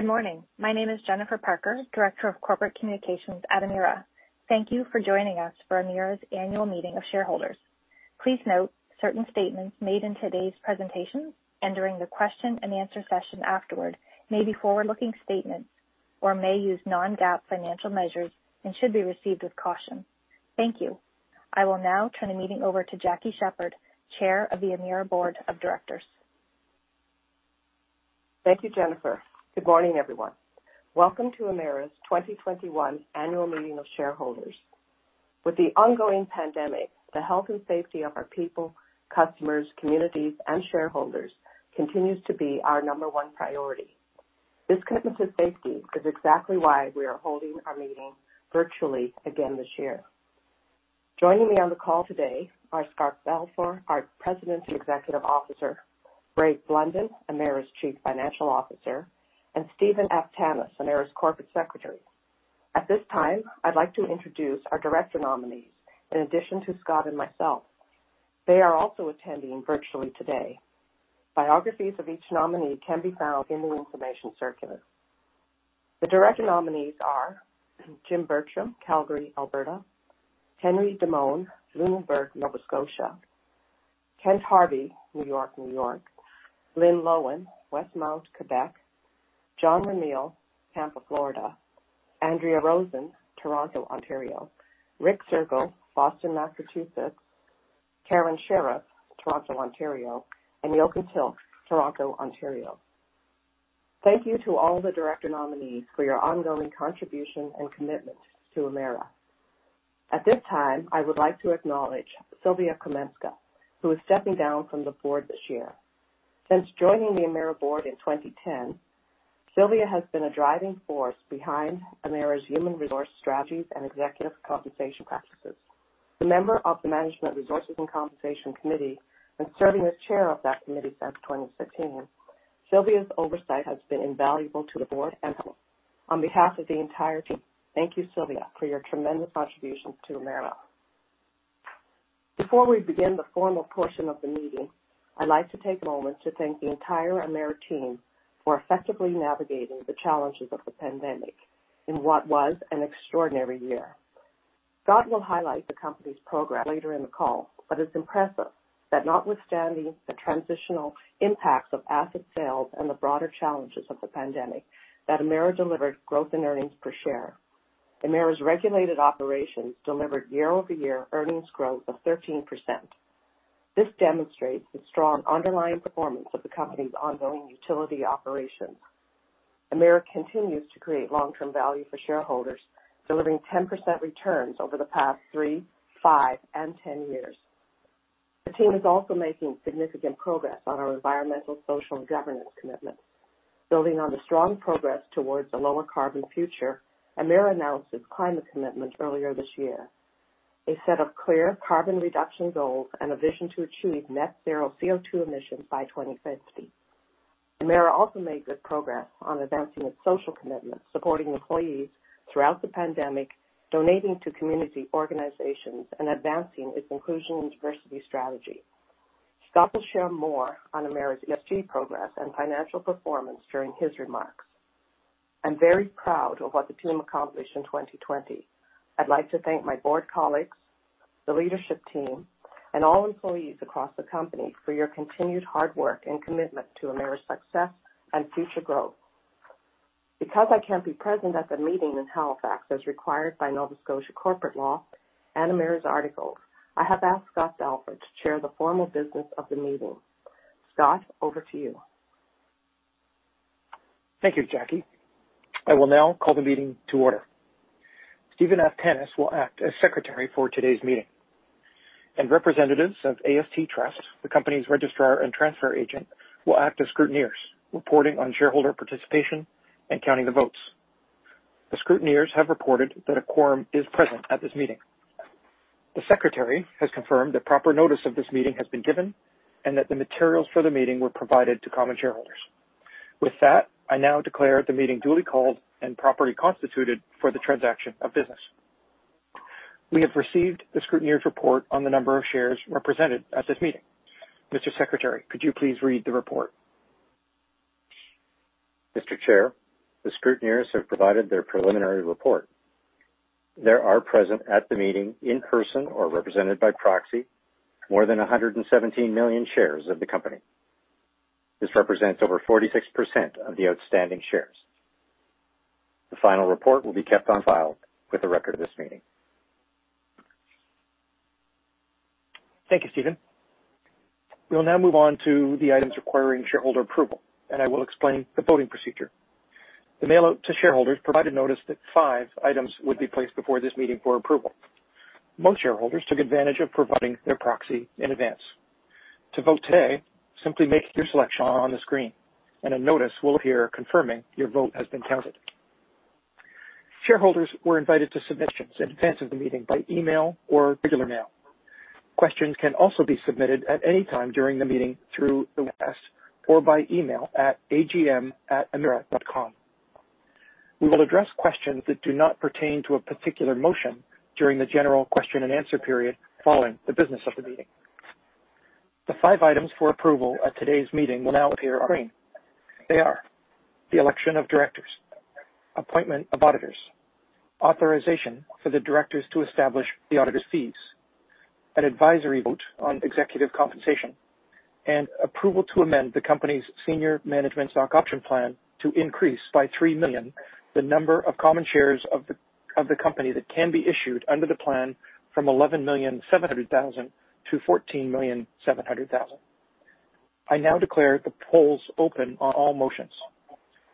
Good morning. My name is Jennifer Parker, Director of Corporate Communications at Emera. Thank you for joining us for Emera's annual meeting of shareholders. Please note certain statements made in today's presentation and during the question and answer session afterward may be forward-looking statements or may use non-GAAP financial measures and should be received with caution. Thank you. I will now turn the meeting over to Jackie Sheppard, Chair of the Emera Board of Directors. Thank you, Jennifer. Good morning, everyone. Welcome to Emera's 2021 annual meeting of shareholders. With the ongoing pandemic, the health and safety of our people, customers, communities, and shareholders continues to be our number one priority. This commitment to safety is exactly why we are holding our meeting virtually again this year. Joining me on the call today are Scott Balfour, our President and Executive Officer, Greg Blunden, Emera's Chief Financial Officer, and Stephen Aftanas, Emera's Corporate Secretary. At this time, I'd like to introduce our director nominees in addition to Scott and myself. They are also attending virtually today. Biographies of each nominee can be found in the information circular. The director nominees are Jim Bertram, Calgary, Alberta, Henry Demone, Lunenburg, Nova Scotia, Kent Harvey, New York, New York, Lynn Loewen, Westmount, Quebec, John Ramil, Tampa, Florida, Andrea Rosen, Toronto, Ontario, Rick Sergel, Boston, Massachusetts, Karen Sheriff, Toronto, Ontario, and Nilka Till, Toronto, Ontario. Thank you to all the director nominees for your ongoing contribution and commitment to Emera. At this time, I would like to acknowledge Sylvia Chrominska, who is stepping down from the board this year. Since joining the Emera board in 2010, Sylvia has been a driving force behind Emera's human resource strategies and executive compensation practices. A member of the Management Resources and Compensation Committee and serving as Chair of that committee since 2016, Sylvia's oversight has been invaluable to the board and company. On behalf of the entire team, thank you, Sylvia, for your tremendous contributions to Emera. Before we begin the formal portion of the meeting, I'd like to take a moment to thank the entire Emera team for effectively navigating the challenges of the pandemic in what was an extraordinary year. Scott will highlight the company's progress later in the call, but it's impressive that notwithstanding the transitional impacts of asset sales and the broader challenges of the pandemic, that Emera delivered growth in earnings per share. Emera's regulated operations delivered year-over-year earnings growth of 13%. This demonstrates the strong underlying performance of the company's ongoing utility operations. Emera continues to create long-term value for shareholders, delivering 10% returns over the past three, five, and 10 years. The team is also making significant progress on our environmental, social, and governance commitments. Building on the strong progress towards a lower carbon future, Emera announced its climate commitment earlier this year, a set of clear carbon reduction goals and a vision to achieve net-zero CO2 emissions by 2050. Emera also made good progress on advancing its social commitment, supporting employees throughout the pandemic, donating to community organizations, and advancing its inclusion and diversity strategy. Scott will share more on Emera's ESG progress and financial performance during his remarks. I'm very proud of what the team accomplished in 2020. I'd like to thank my board colleagues, the leadership team, and all employees across the company for your continued hard work and commitment to Emera's success and future growth. I can't be present at the meeting in Halifax as required by Nova Scotia corporate law and Emera's articles, I have asked Scott Balfour to chair the formal business of the meeting. Scott, over to you. Thank you, Jackie. I will now call the meeting to order. Stephen Aftanas will act as Secretary for today's meeting. Representatives of AST Trust, the company's registrar and transfer agent, will act as scrutineers, reporting on shareholder participation and counting the votes. The scrutineers have reported that a quorum is present at this meeting. The Secretary has confirmed that proper notice of this meeting has been given and that the materials for the meeting were provided to common shareholders. With that, I now declare the meeting duly called and properly constituted for the transaction of business. We have received the scrutineers' report on the number of shares represented at this meeting. Mr. Secretary, could you please read the report? Mr. Chair, the scrutineers have provided their preliminary report. There are present at the meeting, in person or represented by proxy, more than 117 million shares of the company. This represents over 46% of the outstanding shares. The final report will be kept on file with the record of this meeting. Thank you, Stephen. We will now move on to the items requiring shareholder approval, and I will explain the voting procedure. The mail out to shareholders provided notice that five items would be placed before this meeting for approval. Most shareholders took advantage of providing their proxy in advance. To vote today, simply make your selection on the screen and a notice will appear confirming your vote has been counted. Shareholders were invited to submit questions in advance of the meeting by email or regular mail. Questions can also be submitted at any time during the meeting through the website or by email at agm@emera.com. We will address questions that do not pertain to a particular motion during the general question and answer period following the business of the meeting. The five items for approval at today's meeting will now appear on screen. They are the election of directors, appointment of auditors, authorization for the directors to establish the auditors' fees, an advisory vote on executive compensation, and approval to amend the company's senior management stock option plan to increase by three million the number of common shares of the company that can be issued under the plan from 11,700,000 to 14,700,000. I now declare the polls open on all motions.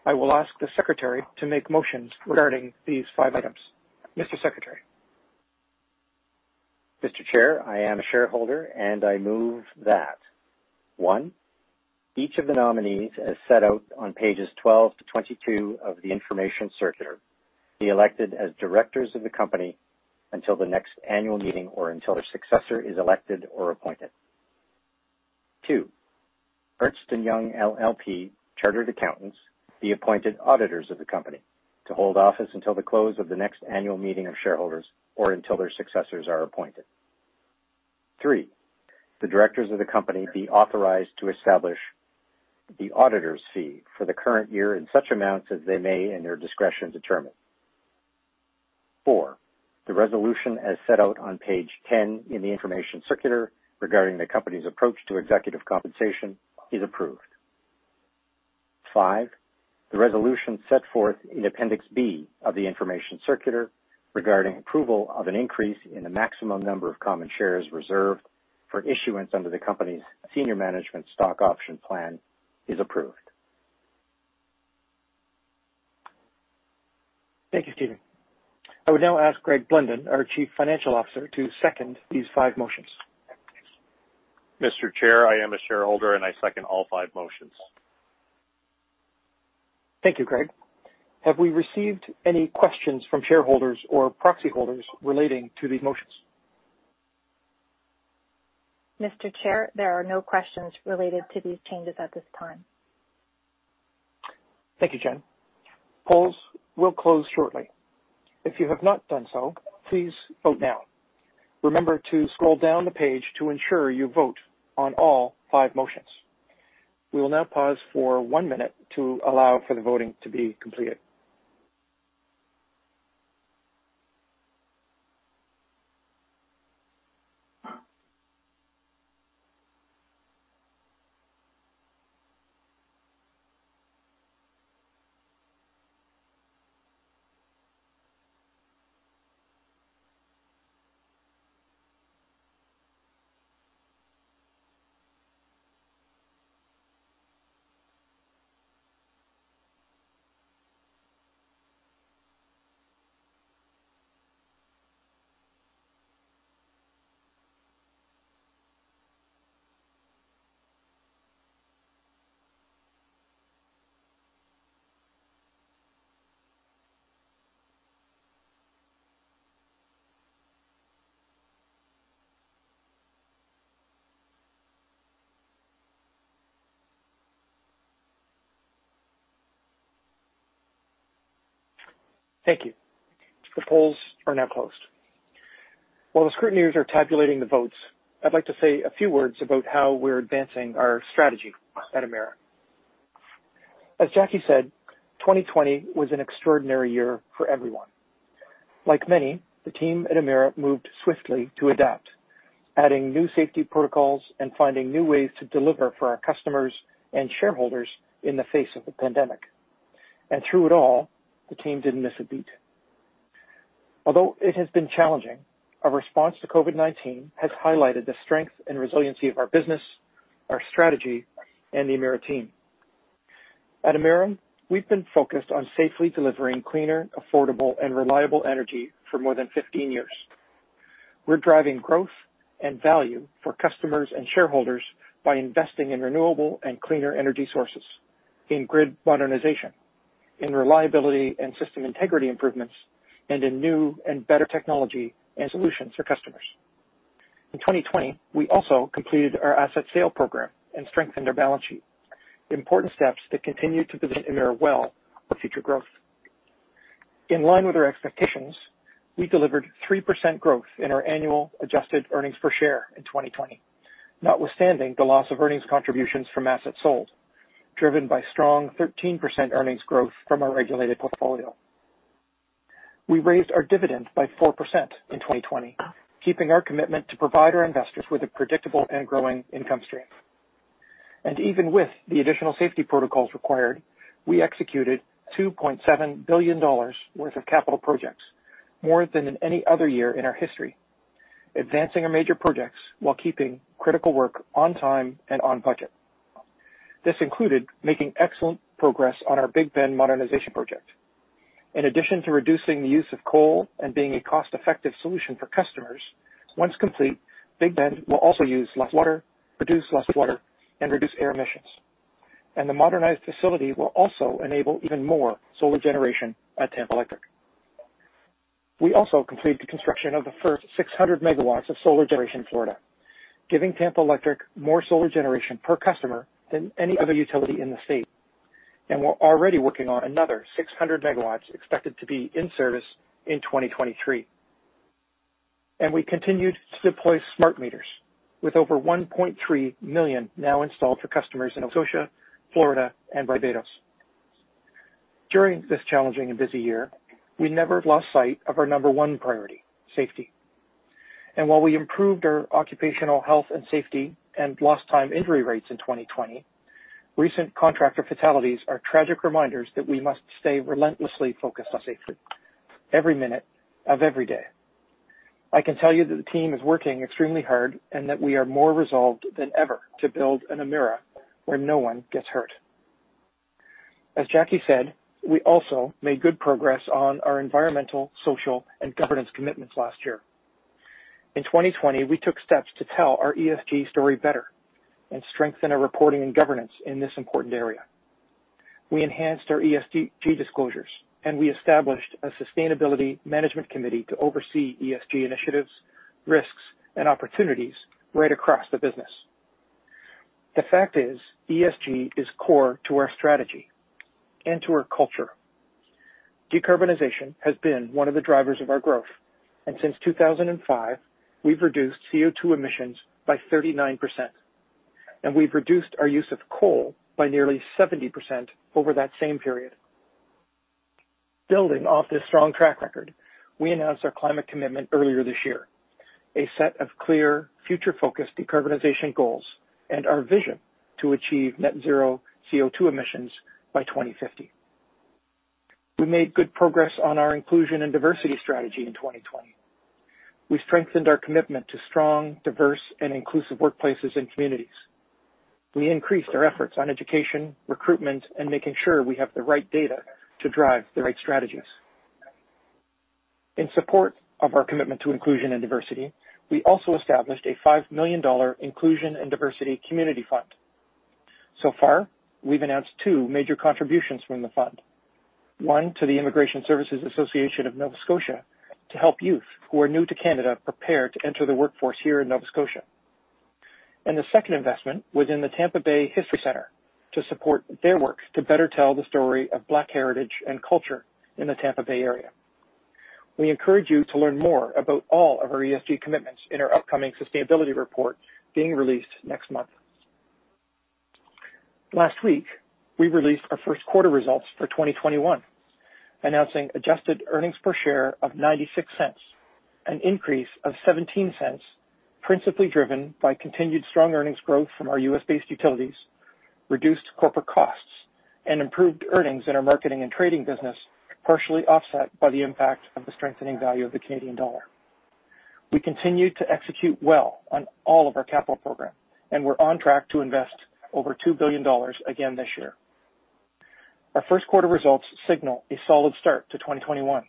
I will ask the Secretary to make motions regarding these five items. Mr. Secretary. Mr. Chair, I am a shareholder, and I move that, one, each of the nominees, as set out on pages 12 to 22 of the information circular, be elected as directors of the company until the next annual meeting or until a successor is elected or appointed. Two, Ernst & Young LLP Chartered Accountants be appointed auditors of the company to hold office until the close of the next annual meeting of shareholders or until their successors are appointed. Three, the directors of the company be authorized to establish the auditors' fee for the current year in such amounts as they may, in their discretion, determine. Four, the resolution as set out on page 10 in the information circular regarding the company's approach to executive compensation is approved. Five, the resolution set forth in Appendix B of the information circular regarding approval of an increase in the maximum number of common shares reserved for issuance under the company's Senior Management Stock Option Plan is approved. Thank you, Stephen Aftanas. I would now ask Greg Blunden, our Chief Financial Officer, to second these five motions. Mr. Chair, I am a shareholder, and I second all five motions. Thank you. Greg. Have we received any questions from shareholders or proxy holders relating to these motions? Mr. Chair, there are no questions related to these changes at this time. Thank you, Jen. Polls will close shortly. If you have not done so, please vote now. Remember to scroll down the page to ensure you vote on all five motions. We will now pause for one minute to allow for the voting to be completed. Thank you. The polls are now closed. While the scrutineers are tabulating the votes, I'd like to say a few words about how we're advancing our strategy at Emera. As Jackie said, 2020 was an extraordinary year for everyone. Like many, the team at Emera moved swiftly to adapt, adding new safety protocols and finding new ways to deliver for our customers and shareholders in the face of the pandemic. Through it all, the team didn't miss a beat. Although it has been challenging, our response to COVID-19 has highlighted the strength and resiliency of our business, our strategy, and the Emera team. At Emera, we've been focused on safely delivering cleaner, affordable, and reliable energy for more than 15 years. We're driving growth and value for customers and shareholders by investing in renewable and cleaner energy sources, in grid modernization, in reliability and system integrity improvements, and in new and better technology and solutions for customers. In 2020, we also completed our asset sale program and strengthened our balance sheet, important steps that continue to position Emera well for future growth. In line with our expectations, we delivered 3% growth in our annual adjusted earnings per share in 2020, notwithstanding the loss of earnings contributions from assets sold, driven by strong 13% earnings growth from our regulated portfolio. We raised our dividends by 4% in 2020, keeping our commitment to provide our investors with a predictable and growing income stream. Even with the additional safety protocols required, we executed 2.7 billion dollars worth of capital projects, more than in any other year in our history, advancing our major projects while keeping critical work on time and on budget. This included making excellent progress on our Big Bend modernization project. In addition to reducing the use of coal and being a cost-effective solution for customers, once complete, Big Bend will also use less water, produce less water, and reduce air emissions. The modernized facility will also enable even more solar generation at Tampa Electric. We also completed the construction of the first 600 megawatts of solar generation in Florida, giving Tampa Electric more solar generation per customer than any other utility in the state. We're already working on another 600 megawatts expected to be in service in 2023. We continued to deploy smart meters with over 1.3 million now installed for customers in Nova Scotia, Florida, and Barbados. During this challenging and busy year, we never lost sight of our number one priority, safety. While we improved our occupational health and safety and lost time injury rates in 2020, recent contractor fatalities are tragic reminders that we must stay relentlessly focused on safety every minute of every day. I can tell you that the team is working extremely hard, and that we are more resolved than ever to build an Emera where no one gets hurt. As Jackie said, we also made good progress on our environmental, social, and governance commitments last year. In 2020, we took steps to tell our ESG story better and strengthen our reporting and governance in this important area. We enhanced our ESG disclosures, and we established a sustainability management committee to oversee ESG initiatives, risks, and opportunities right across the business. The fact is, ESG is core to our strategy and to our culture. Decarbonization has been one of the drivers of our growth, and since 2005, we've reduced CO2 emissions by 39%, and we've reduced our use of coal by nearly 70% over that same period. Building off this strong track record, we announced our climate commitment earlier this year, a set of clear, future-focused decarbonization goals and our vision to achieve net zero CO2 emissions by 2050. We made good progress on our inclusion and diversity strategy in 2020. We strengthened our commitment to strong, diverse, and inclusive workplaces and communities. We increased our efforts on education, recruitment, and making sure we have the right data to drive the right strategies. In support of our commitment to inclusion and diversity, we also established a 5 million dollar inclusion and diversity community fund. Far, we've announced two major contributions from the fund, one to the Immigrant Services Association of Nova Scotia to help youth who are new to Canada prepare to enter the workforce here in Nova Scotia. The second investment was in the Tampa Bay History Center to support their work to better tell the story of Black heritage and culture in the Tampa Bay area. We encourage you to learn more about all of our ESG commitments in our upcoming sustainability report being released next month. Last week, we released our first quarter results for 2021, announcing adjusted earnings per share of 0.96, an increase of 0.17, principally driven by continued strong earnings growth from our U.S.-based utilities, reduced corporate costs, and improved earnings in our marketing and trading business, partially offset by the impact of the strengthening value of the Canadian dollar. We continued to execute well on all of our capital program and were on track to invest over 2 billion dollars again this year. Our first quarter results signal a solid start to 2021,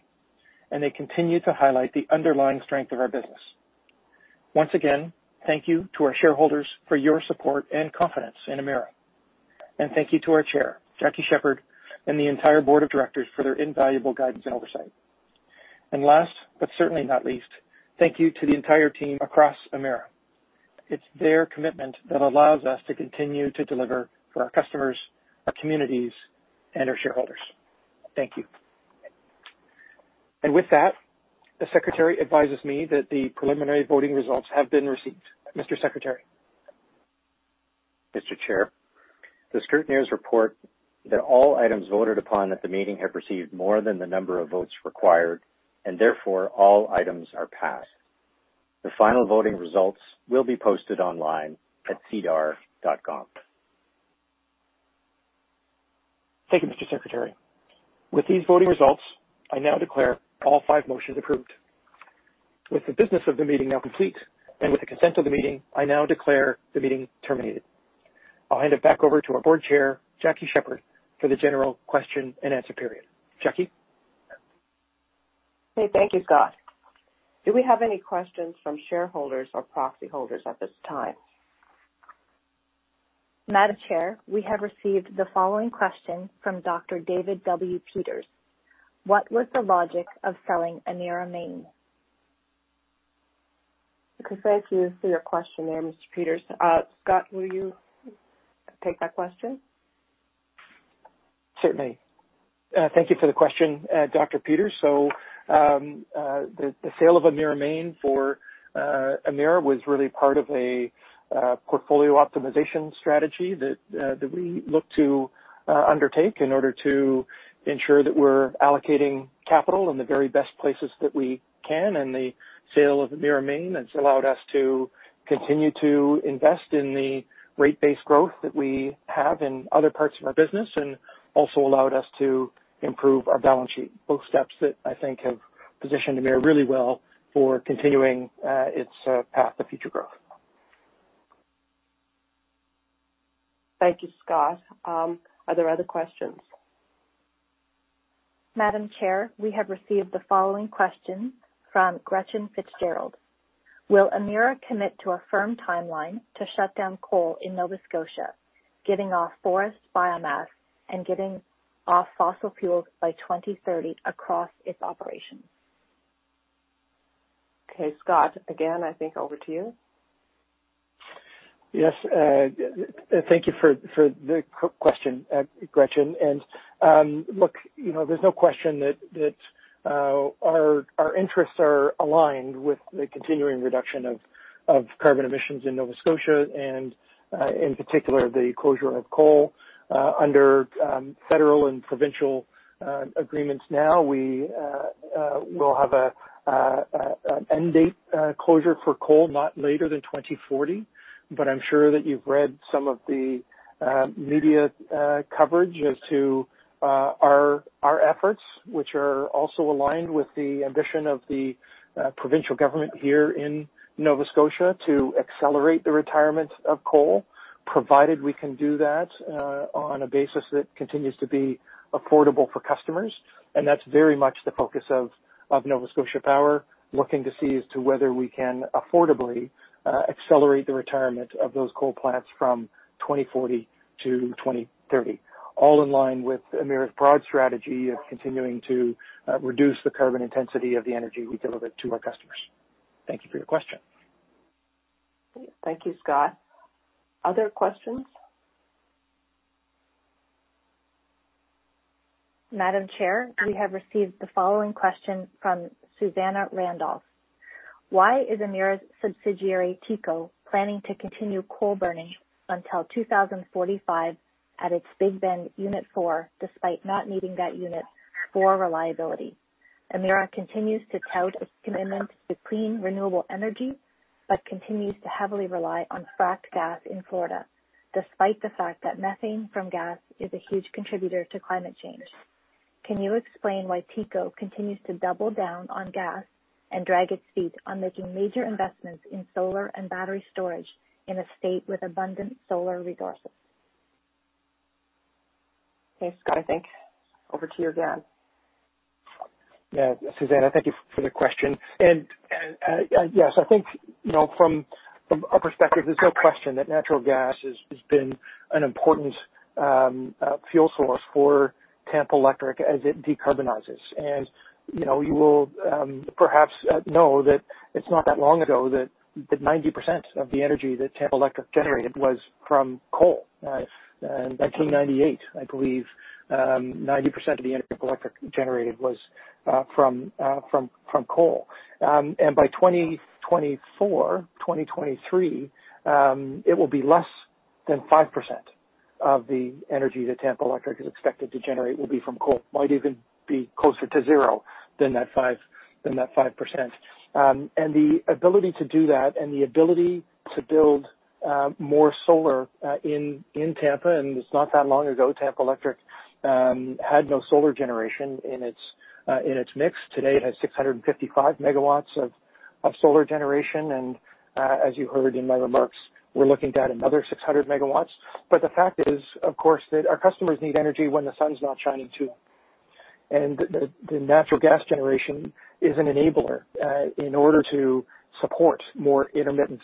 and they continue to highlight the underlying strength of our business. Once again, thank you to our shareholders for your support and confidence in Emera. Thank you to our Chair, Jackie Sheppard, and the entire Board of Directors for their invaluable guidance and oversight. Last, but certainly not least, thank you to the entire team across Emera. It's their commitment that allows us to continue to deliver for our customers, our communities, and our shareholders. Thank you. With that, the Secretary advises me that the preliminary voting results have been received. Mr. Secretary? Mr. Chair, the scrutineers report that all items voted upon at the meeting have received more than the number of votes required. Therefore, all items are passed. The final voting results will be posted online at sedar.com. Thank you, Mr. Secretary. With these voting results, I now declare all five motions approved. With the business of the meeting now complete, and with the consent of the meeting, I now declare the meeting terminated. I'll hand it back over to our Board Chair, Jackie Sheppard, for the general question-and-answer period. Jackie? Okay. Thank you, Scott. Do we have any questions from shareholders or proxy holders at this time? Madam Chair, we have received the following question from Dr. David W. Peters. What was the logic of selling Emera Maine? Okay. Thank you for your question there, Dr. David W. Peters. Scott, will you take that question? Certainly. Thank you for the question, Dr. Peters. The sale of Emera Maine for Emera was really part of a portfolio optimization strategy that we looked to undertake in order to ensure that we're allocating capital in the very best places that we can. The sale of Emera Maine has allowed us to continue to invest in the rate-based growth that we have in other parts of our business and also allowed us to improve our balance sheet. Both steps that I think have positioned Emera really well for continuing its path to future growth. Thank you, Scott. Are there other questions? Madam Chair, we have received the following question from Gretchen Fitzgerald. Will Emera commit to a firm timeline to shut down coal in Nova Scotia, getting off forest biomass and getting off fossil fuels by 2030 across its operations? Okay, Scott, again, I think over to you. Yes. Thank you for the question, Gretchen. Look, there's no question that our interests are aligned with the continuing reduction of carbon emissions in Nova Scotia and, in particular, the closure of coal under federal and provincial agreements now. We will have an end date closure for coal not later than 2040. I'm sure that you've read some of the media coverage as to our efforts, which are also aligned with the ambition of the provincial government here in Nova Scotia to accelerate the retirement of coal, provided we can do that on a basis that continues to be affordable for customers. That's very much the focus of Nova Scotia Power, looking to see as to whether we can affordably accelerate the retirement of those coal plants from 2040 to 2030, all in line with Emera's broad strategy of continuing to reduce the carbon intensity of the energy we deliver to our customers. Thank you for your question. Thank you, Scott. Other questions? Madam Chair, we have received the following question from Susanna Randolph. Why is Emera's subsidiary, TECO, planning to continue coal burning until 2045 at its Big Bend Unit 4, despite not needing that unit for reliability? Emera continues to tout its commitment to clean, renewable energy, but continues to heavily rely on fracked gas in Florida, despite the fact that methane from gas is a huge contributor to climate change. Can you explain why TECO continues to double down on gas and drag its feet on making major investments in solar and battery storage in a state with abundant solar resources? Okay, Scott, I think over to you again. Yeah, Susanna, thank you for the question. Yes, I think from our perspective, there's no question that natural gas has been an important fuel source for Tampa Electric as it decarbonizes. You will perhaps know that it's not that long ago that 90% of the energy that Tampa Electric generated was from coal. In 1998, I believe 90% of the energy electric generated was from coal. By 2024, 2023, it will be less than 5% of the energy that Tampa Electric is expected to generate will be from coal. Might even be closer to zero than that 5%. The ability to do that and the ability to build more solar in Tampa, and it's not that long ago, Tampa Electric had no solar generation in its mix. Today, it has 655 megawatts of solar generation. As you heard in my remarks, we're looking to add another 600 megawatts. The fact is, of course, that our customers need energy when the sun's not shining, too. The natural gas generation is an enabler in order to support more intermittent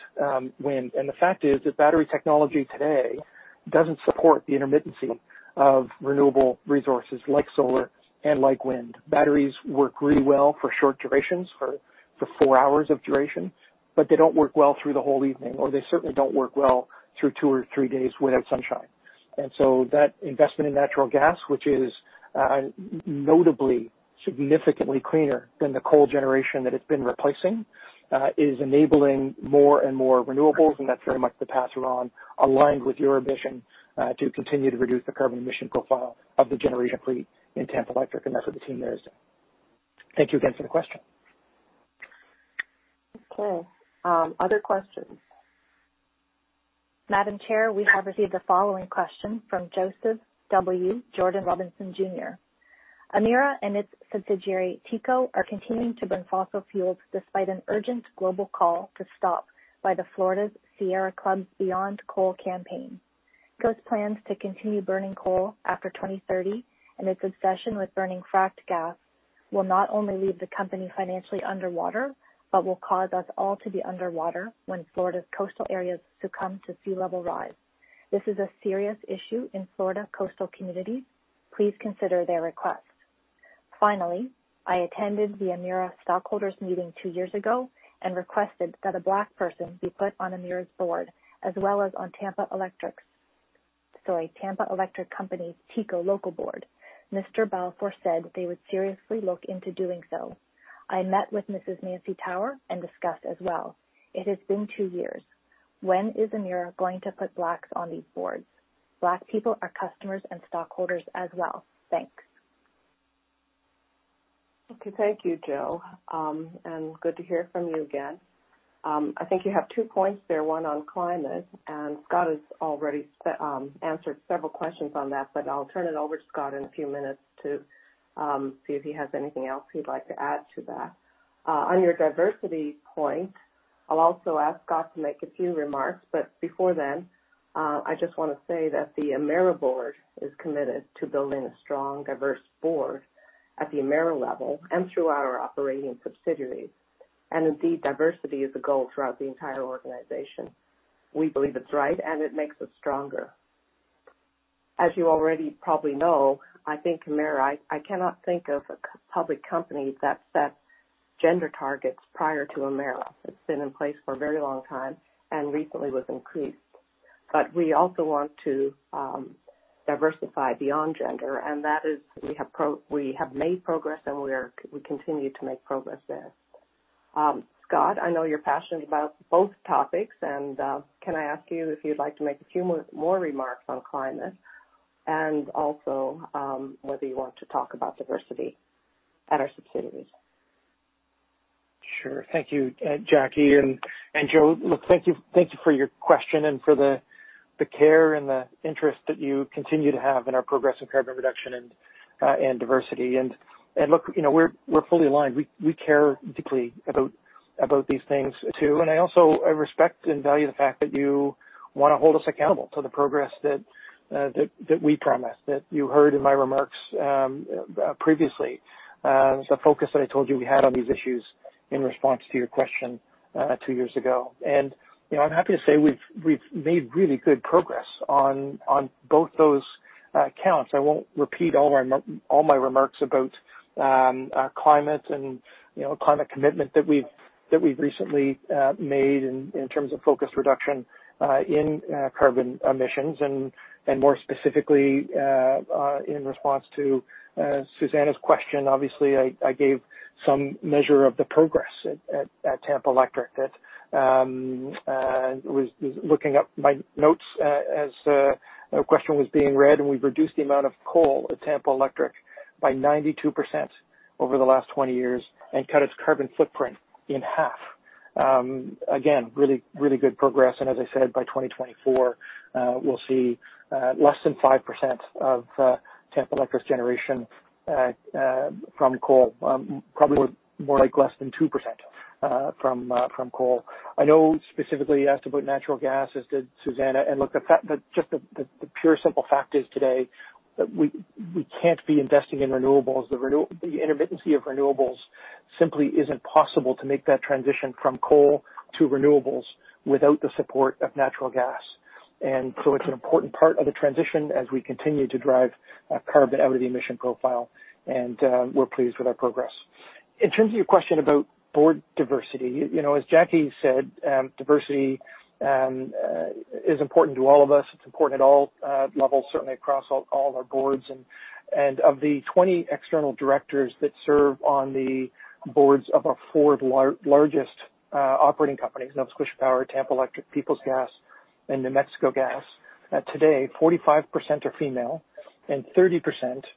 wind. The fact is that battery technology today doesn't support the intermittency of renewable resources like solar and like wind. Batteries work really well for short durations, for four hours of duration, but they don't work well through the whole evening, or they certainly don't work well through two or three days without sunshine. That investment in natural gas, which is notably significantly cleaner than the coal generation that it's been replacing is enabling more and more renewables. That's very much the path we're on, aligned with your ambition to continue to reduce the carbon emission profile of the generation fleet in Tampa Electric. That's what the team there is doing. Thank you again for the question. Okay. Other questions? Madam Chair, we have received the following question from Joseph W. Jordan Robinson Jr. Emera and its subsidiary, TECO, are continuing to burn fossil fuels despite an urgent global call to stop by the Florida Sierra Club's Beyond Coal campaign. TECO's plans to continue burning coal after 2030 and its obsession with burning fracked gas will not only leave the company financially underwater but will cause us all to be underwater when Florida's coastal areas succumb to sea level rise. This is a serious issue in Florida coastal communities. Please consider their request. I attended the Emera stockholders meeting two years ago and requested that a Black person be put on Emera's board as well as on Tampa Electric's, sorry, Tampa Electric Company TECO local board. Mr. Balfour said they would seriously look into doing so. I met with Mrs. Nancy Tower and discussed as well. It has been two years. When is Emera going to put Blacks on these boards? Black people are customers and stockholders as well. Thanks. Okay. Thank you, Joe. Good to hear from you again. I think you have two points there, one on climate, and Scott has already answered several questions on that. I'll turn it over to Scott in a few minutes to see if he has anything else he'd like to add to that. On your diversity point, I'll also ask Scott to make a few remarks, but before then, I just want to say that the Emera board is committed to building a strong, diverse board at the Emera level and through our operating subsidiaries. Indeed, diversity is a goal throughout the entire organization. We believe it's right, and it makes us stronger. As you already probably know, I think Emera, I cannot think of a public company that set gender targets prior to Emera. It's been in place for a very long time and recently was increased. We also want to diversify beyond gender, and that is, we have made progress and we continue to make progress there. Scott, I know you're passionate about both topics, and can I ask you if you'd like to make a few more remarks on climate and also, whether you want to talk about diversity at our subsidiaries? Sure. Thank you, Jackie, and Joe. Look, thank you for your question and for the care and the interest that you continue to have in our progress in carbon reduction and diversity. Look, we're fully aligned. We care deeply about these things, too. I also, I respect and value the fact that you want to hold us accountable to the progress that we promised, that you heard in my remarks previously. The focus that I told you we had on these issues in response to your question two years ago. I'm happy to say we've made really good progress on both those accounts. I won't repeat all my remarks about climate and climate commitment that we've recently made in terms of focus reduction in carbon emissions and more specifically, in response to Susanna's question. Obviously, I gave some measure of the progress at Tampa Electric that I was looking up my notes as her question was being read, and we've reduced the amount of coal at Tampa Electric by 92% over the last 20 years and cut its carbon footprint in half. Again, really good progress. As I said, by 2024, we'll see less than 5% of Tampa Electric's generation from coal. Probably more like less than 2% from coal. I know you specifically asked about natural gas, as did Susanna. Look, just the pure simple fact is today that we can't be investing in renewables. The intermittency of renewables simply isn't possible to make that transition from coal to renewables without the support of natural gas. It's an important part of the transition as we continue to drive carbon out of the emission profile, and we're pleased with our progress. In terms of your question about board diversity, as Jackie said, diversity is important to all of us. It's important at all levels, certainly across all our boards. Of the 20 external directors that serve on the boards of our four largest operating companies, Nova Scotia Power, Tampa Electric, Peoples Gas, and New Mexico Gas, today 45% are female and 30%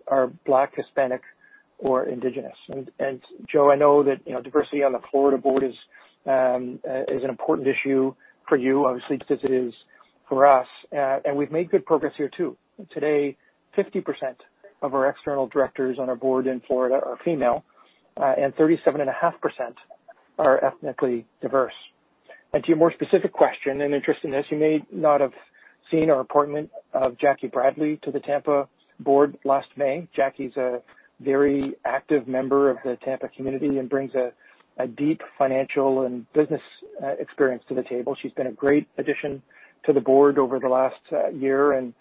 are Black, Hispanic, or Indigenous. Joe, I know that diversity on the Florida board is an important issue for you, obviously, just as it is for us. We've made good progress here, too. Today, 50% of our external directors on our board in Florida are female, and 37.5% are ethnically diverse. To your more specific question, interesting as you may not have seen our appointment of Jackie Bradley to the Tampa Electric Board last May. Jackie's a very active member of the Tampa community and brings a deep financial and business experience to the table. She's been a great addition to the Board over the last year, and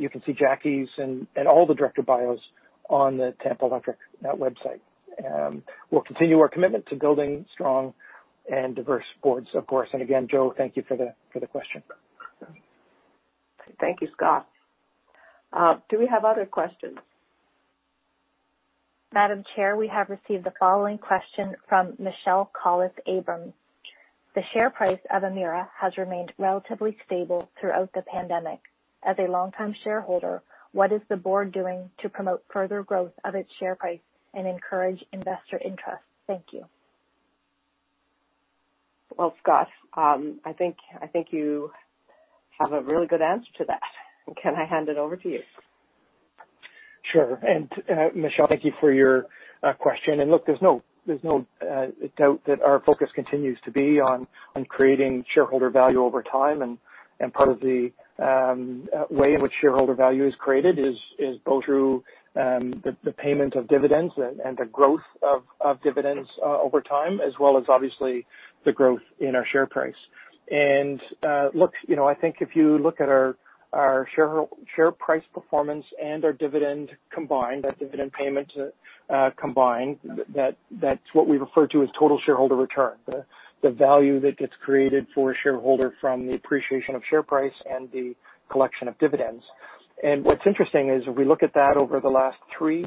you can see Jackie's and all the director bios on the Tampa Electric website. We'll continue our commitment to building strong and diverse boards, of course. Again, Joe, thank you for the question. Thank you, Scott. Do we have other questions? Madam Chair, we have received the following question from Michelle Collis Abram. The share price of Emera has remained relatively stable throughout the pandemic. As a longtime shareholder, what is the board doing to promote further growth of its share price and encourage investor interest? Thank you. Well, Scott, I think you have a really good answer to that. Can I hand it over to you? Sure. Michelle, thank you for your question. Look, there's no doubt that our focus continues to be on creating shareholder value over time. Part of the way in which shareholder value is created is both through the payment of dividends and the growth of dividends over time, as well as obviously the growth in our share price. Look, I think if you look at our share price performance and our dividend combined, that dividend payment combined, that's what we refer to as total shareholder return. The value that gets created for a shareholder from the appreciation of share price and the collection of dividends. What's interesting is, if we look at that over the last three,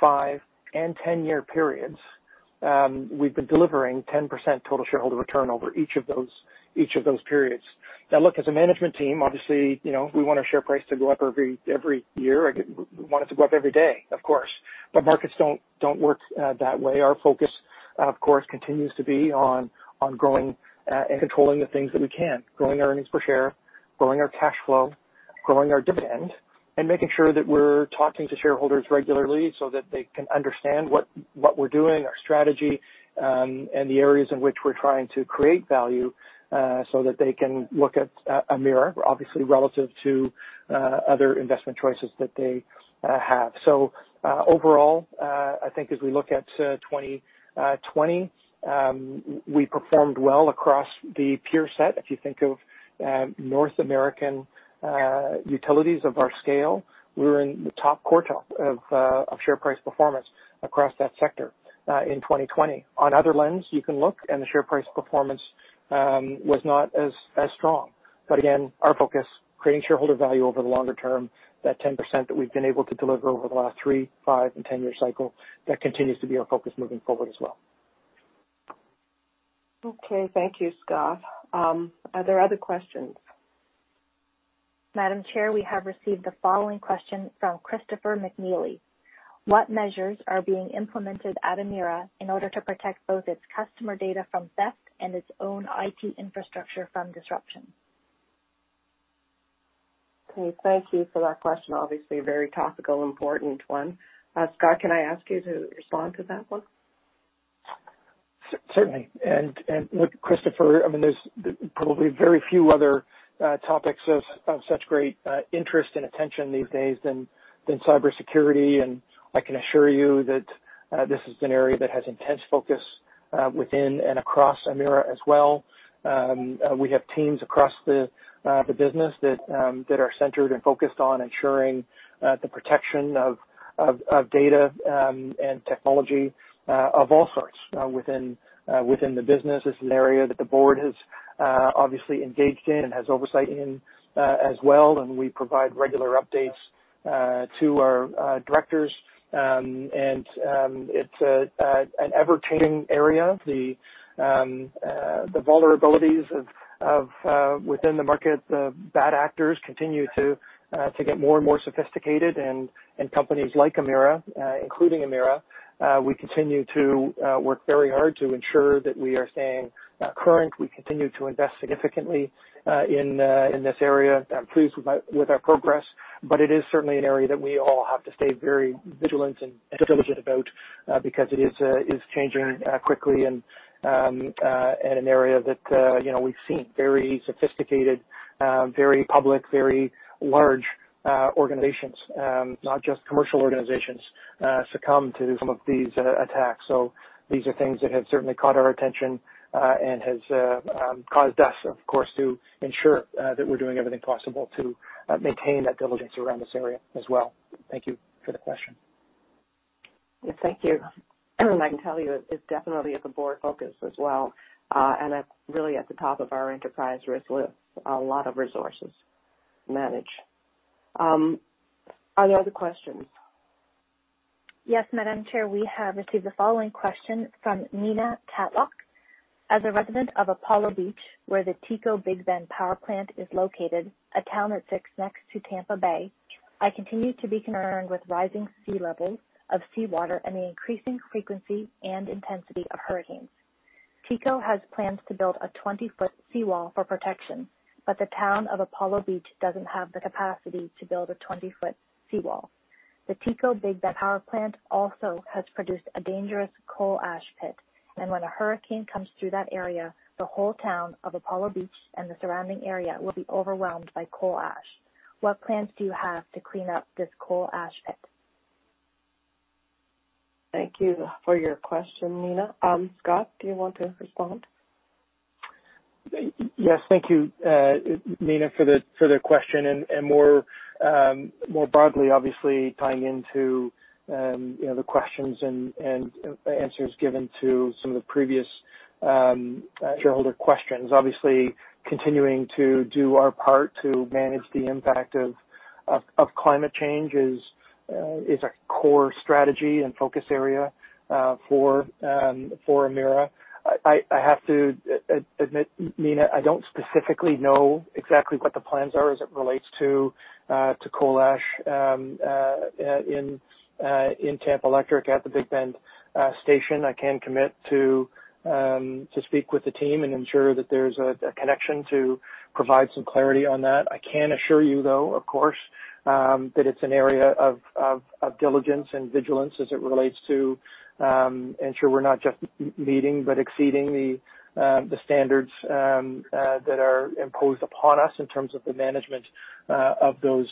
five, and 10-year periods, we've been delivering 10% total shareholder return over each of those periods. Look, as a management team, obviously, we want our share price to go up every year. We want it to go up every day, of course. Markets don't work that way. Our focus, of course, continues to be on growing and controlling the things that we can. Growing our earnings per share, growing our cash flow, growing our dividend, and making sure that we're talking to shareholders regularly so that they can understand what we're doing, our strategy, and the areas in which we're trying to create value, so that they can look at Emera, obviously relative to other investment choices that they have. Overall, I think as we look at 2020, we performed well across the peer set. If you think of North American utilities of our scale, we were in the top quartile of share price performance across that sector in 2020. On other lenses, you can look and the share price performance was not as strong. Again, our focus, creating shareholder value over the longer term, that 10% that we've been able to deliver over the last three, five and 10-year cycle, that continues to be our focus moving forward as well. Okay. Thank you, Scott. Are there other questions? Madam Chair, we have received the following question from Christopher McNeely. What measures are being implemented at Emera in order to protect both its customer data from theft and its own IT infrastructure from disruption? Okay. Thank you for that question. Obviously, a very topical, important one. Scott, can I ask you to respond to that one? Certainly. Look, Christopher, there's probably very few other topics of such great interest and attention these days than cybersecurity. I can assure you that this is an area that has intense focus within and across Emera as well. We have teams across the business that are centered and focused on ensuring the protection of data and technology of all sorts within the business. It's an area that the board has obviously engaged in and has oversight in as well. We provide regular updates to our directors. It's an ever-changing area. The vulnerabilities within the market, the bad actors continue to get more and more sophisticated. Companies like Emera, including Emera, we continue to work very hard to ensure that we are staying current. We continue to invest significantly in this area. I'm pleased with our progress, but it is certainly an area that we all have to stay very vigilant and diligent about because it is changing quickly and an area that we've seen very sophisticated, very public, very large organizations, not just commercial organizations succumb to some of these attacks. These are things that have certainly caught our attention and has caused us, of course, to ensure that we're doing everything possible to maintain that diligence around this area as well. Thank you for the question. Yes. Thank you. I can tell you it definitely is a board focus as well. It's really at the top of our enterprise risk with a lot of resources managed. Are there other questions? Yes. Madam Chair, we have received the following question from Nina Tatlock. As a resident of Apollo Beach, where the TECO Big Bend power plant is located, a town that sits next to Tampa Bay, I continue to be concerned with rising sea levels of seawater and the increasing frequency and intensity of hurricanes. TECO has plans to build a 20-foot seawall for protection, but the town of Apollo Beach doesn't have the capacity to build a 20-foot seawall. The TECO Big Bend power plant also has produced a dangerous coal ash pit, and when a hurricane comes through that area, the whole town of Apollo Beach and the surrounding area will be overwhelmed by coal ash. What plans do you have to clean up this coal ash pit? Thank you for your question, Nina. Scott, do you want to respond? Yes. Thank you, Nina, for the question. More broadly, obviously tying into the questions and answers given to some of the previous shareholder questions. Obviously, continuing to do our part to manage the impact of climate change is a core strategy and focus area for Emera. I have to admit, Nina, I don't specifically know exactly what the plans are as it relates to coal ash in Tampa Electric at the Big Bend station. I can commit to speak with the team and ensure that there's a connection to provide some clarity on that. I can assure you, though, of course, that it's an area of diligence and vigilance as it relates to ensure we're not just meeting but exceeding the standards that are imposed upon us in terms of the management of those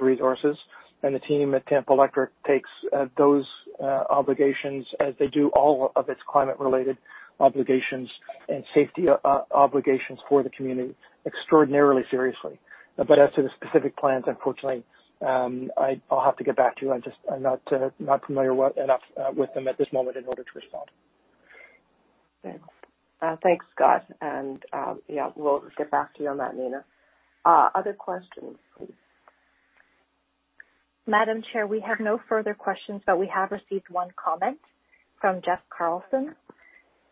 resources. The team at Tampa Electric takes those obligations as they do all of its climate-related obligations and safety obligations for the community extraordinarily seriously. As to the specific plans, unfortunately, I'll have to get back to you. I'm just not familiar enough with them at this moment in order to respond. Thanks, Scott. yeah, we'll get back to you on that, Nina. Other questions, please. Madam Chair, we have no further questions, but we have received one comment from Jeff Carlson.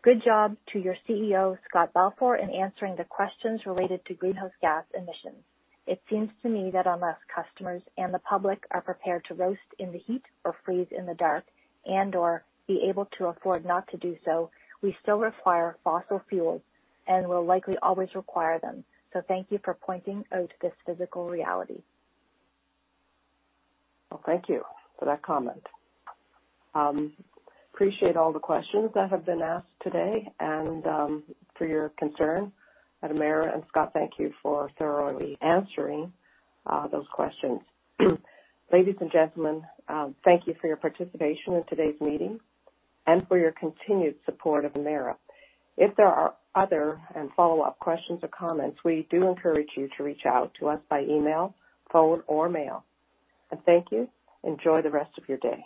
Good job to your CEO, Scott Balfour, in answering the questions related to greenhouse gas emissions. It seems to me that unless customers and the public are prepared to roast in the heat or freeze in the dark and/or be able to afford not to do so, we still require fossil fuels and will likely always require them. Thank you for pointing out this physical reality. Well, thank you for that comment. Appreciate all the questions that have been asked today and for your concern at Emera. Scott, thank you for thoroughly answering those questions. Ladies and gentlemen, thank you for your participation in today's meeting and for your continued support of Emera. If there are other and follow-up questions or comments, we do encourage you to reach out to us by email, phone, or mail. Thank you. Enjoy the rest of your day.